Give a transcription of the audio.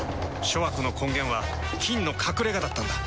諸悪の根源は「菌の隠れ家」だったんだ。